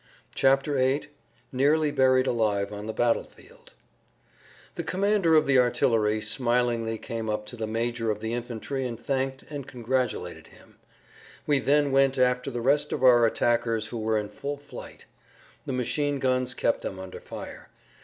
[Pg 58] VIII NEARLY BURIED ALIVE ON THE BATTLEFIELD The commander of the artillery smilingly came up to the major of the infantry and thanked and congratulated him. We then went after the rest of our attackers who were in full flight. The machine guns kept them under fire.